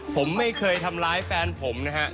ผมไม่เคยทำร้ายแฟนผมนะฮะ